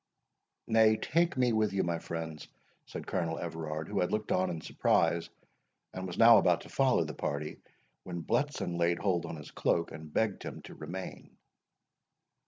"Nay, take me with you, my friends," said Colonel Everard, who had looked on in surprise, and was now about to follow the party, when Bletson laid hold on his cloak, and begged him to remain.